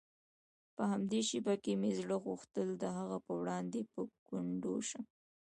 په همدې شېبه کې مې زړه غوښتل د هغه په وړاندې په ګونډو شم.